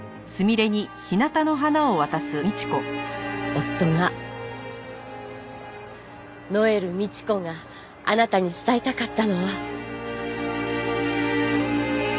夫がノエル美智子があなたに伝えたかったのは。